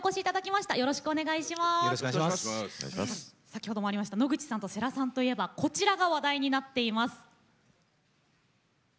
先ほどもありました野口さんと世良さんといえばこちらが話題になっています。